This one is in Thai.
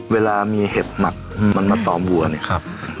เวลามีเห็บหมัดมันมาต่อวัวเนี่ยครับ